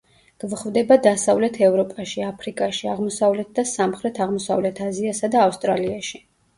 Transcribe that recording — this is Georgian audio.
გვხვდება დასავლეთ ევროპაში, აფრიკაში, აღმოსავლეთ და სამხრეთ-აღმოსავლეთ აზიასა და ავსტრალიაში.